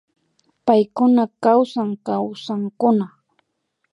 Paykuna kawsan Kawsankuna